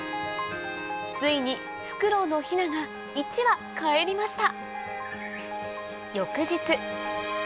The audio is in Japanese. ついにフクロウのヒナが１羽かえりました